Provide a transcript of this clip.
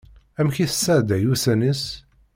Amek i tesɛedday ussan-is?